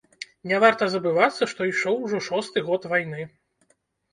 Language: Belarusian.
Не варта забывацца, што ішоў ужо шосты год вайны.